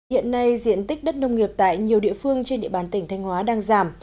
hiện nay diện tích đất nông nghiệp tại nhiều địa phương trên địa bàn tỉnh thanh hóa đang giảm